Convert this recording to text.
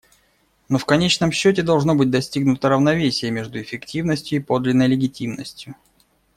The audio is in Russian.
Но, в конечном счете, должно быть достигнуто равновесие между эффективностью и подлинной легитимностью.